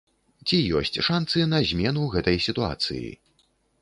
Ці ёсць шанцы на змену гэтай сітуацыі?